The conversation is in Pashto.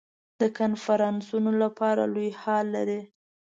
د کنفرانسونو لپاره لوی هال لري.